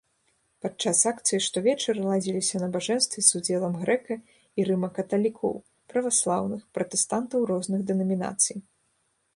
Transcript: Падчас акцыі штовечар ладзіліся набажэнствы з удзелам грэка- і рыма-каталікоў, праваслаўных, пратэстантаў розных дэнамінацый.